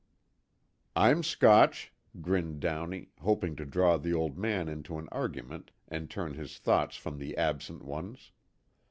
"I'm Scotch," grinned Downey, hoping to draw the old man into an argument and turn his thoughts from the absent ones.